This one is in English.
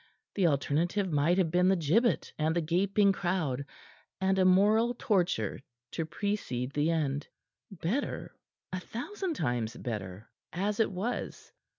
The alternative might have been the gibbet and the gaping crowd, and a moral torture to precede the end. Better a thousand times better as it was.